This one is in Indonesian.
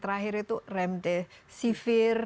terakhir itu remdesivir